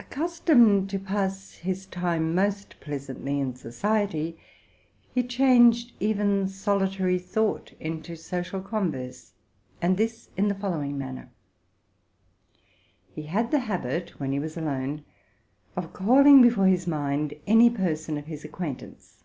Accustomed to pass his time most pleasantly in society, he changed even solitary thought into social converse, and this in the following manner: He had the habit, when he was alone, of calling before his mind any person of his acquaintance.